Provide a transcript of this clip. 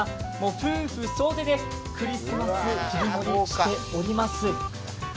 夫婦総出でクリスマスを切り盛りしております。